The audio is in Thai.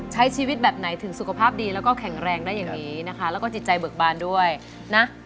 ใช้ชีวิตแบบไหนถึงสุขภาพดีแล้วก็แข็งแรงได้อย่างนี้นะคะแล้วก็จิตใจเบิกบานด้วยนะ